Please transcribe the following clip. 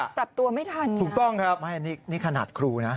ปรับตัวไม่ทันถูกต้องครับไม่นี่ขนาดครูนะ